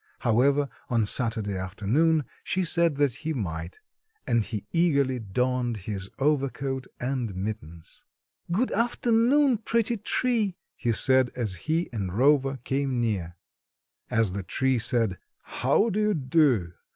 However, on Saturday afternoon she said that he might, and he eagerly donned his overcoat and mittens. "Good afternoon, pretty tree," he said as he and Rover came near. As the tree said "How do you do?"